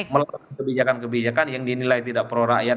melakukan kebijakan kebijakan yang dinilai tidak pro rakyat